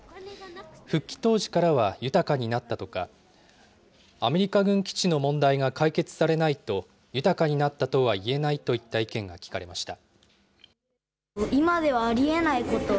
復帰当時からは豊かになったとか、アメリカ軍基地の問題が解決されないと、豊かになったとは言えないといった意見が聞かれました。